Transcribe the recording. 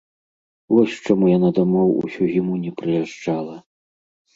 Вось чаму яна дамоў усю зіму не прыязджала.